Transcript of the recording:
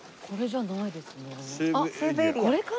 これじゃないですね。